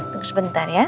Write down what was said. tunggu sebentar ya